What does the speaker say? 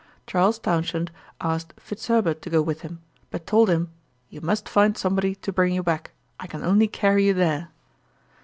Charles Townshend asked Fitzherbert to go with him, but told him, 'You must find somebody to bring you back: I can only carry you there.'